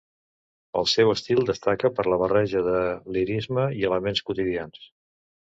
El seu estil destaca per la barreja de lirisme i elements quotidians.